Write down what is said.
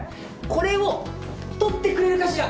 これを取ってくれるかしら？